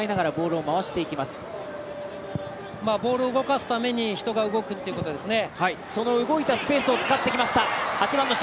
ボールを動かすために人が動くということですね。